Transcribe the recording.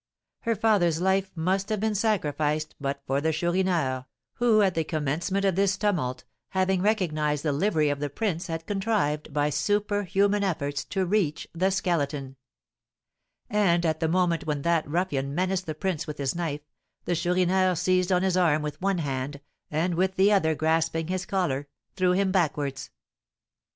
Her father's life must have been sacrificed but for the Chourineur, who at the commencement of this tumult, having recognised the livery of the prince, had contrived, by superhuman efforts, to reach the Skeleton; and at the moment when that ruffian menaced the prince with his knife the Chourineur seized on his arm with one hand, and, with the other grasping his collar, threw him backwards.